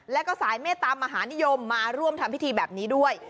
และก็สายเมธร์ฯมาร่วมทำพิธีแบบนี้ด้วย